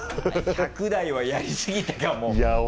「１００台はやりすぎたかも」。